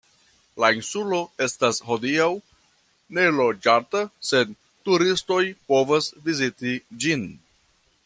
La insulo estas hodiaŭ neloĝata, sed turistoj povas viziti ĝin.